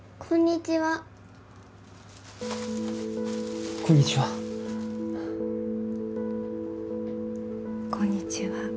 こんにちは。